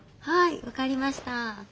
はい分かりました。